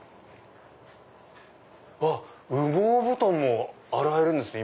あっ羽毛布団も洗えるんですね